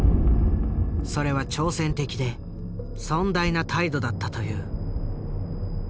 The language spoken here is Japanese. それは挑戦的で尊大な態度だったという。